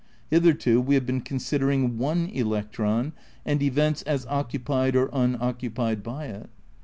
Hitherto we have been considering one electron, and events as occupied or unoccupied by it.